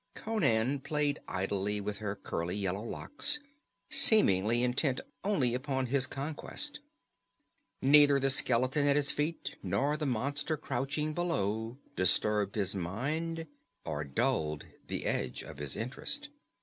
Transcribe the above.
Conan played idly with her curly yellow locks, seemingly intent only upon his conquest. Neither the skeleton at his feet nor the monster crouching below disturbed his mind or dulled the edge of his interest.